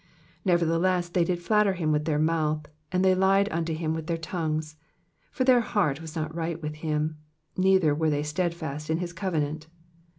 36 Nevertheless they did flatter him with their mouth, and they lied unto him with their tongues. 37 For their heart was not right with him, neither were they stedfast in his covenant.